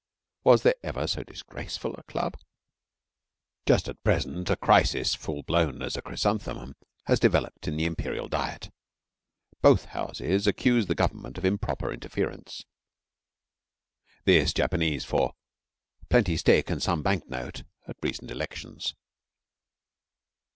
Was there ever so disgraceful a club! Just at present, a crisis, full blown as a chrysanthemum, has developed in the Imperial Diet. Both Houses accuse the Government of improper interference this Japanese for 'plenty stick and some bank note' at the recent elections.